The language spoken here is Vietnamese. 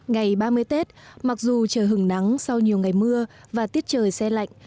ngày ba mươi tết mặc dù trời hứng nắng sau nhiều ngày mưa và tiết trời xe lạnh